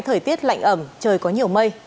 thời tiết lạnh ẩm trời có nhiều mây